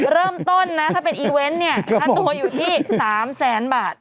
เริ่มต้นนะถ้าเป็นอีเวนต์เนี่ยค่าตัวอยู่ที่๓แสนบาท